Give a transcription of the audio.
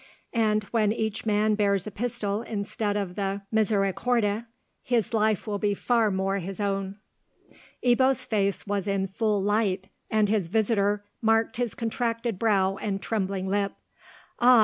And, when each man bears a pistol instead of the misericorde, his life will be far more his own." Ebbo's face was in full light, and his visitor marked his contracted brow and trembling lip. "Ah!"